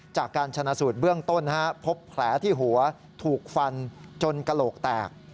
จากการชนะสูตรเบื้องต้นพบแผลที่หัวถูกฟันจนกระโหลกแตก